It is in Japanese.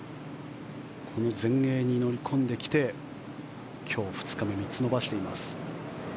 この全英に乗り込んできて今日２日目３つ伸ばしています。